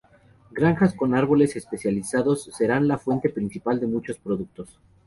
Granjas con árboles especializados serán la fuente principal de muchos productos.